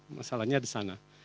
masalahnya di sana